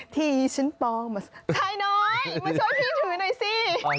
ที่ฉันปลอมมาชายน้อยมาช่วยพี่ถือหน่อยสิ